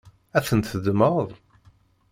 Ad tent-teddmeḍ?